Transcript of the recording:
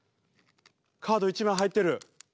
カード１枚入ってる。